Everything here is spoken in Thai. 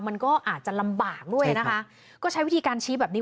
มันก็อาจจะลำบากด้วยนะคะก็ใช้วิธีการชี้แบบนี้